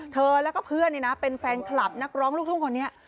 เธอแล้วก็เพื่อนเป็นแฟนคลับนักร้องลูกทุ่งคนนี้